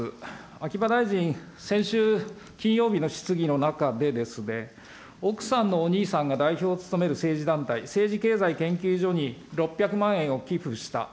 秋葉大臣、先週金曜日の質疑の中で、奥さんのお兄さんが代表を務める政治団体、政治経済研究所に６００万円を寄付した。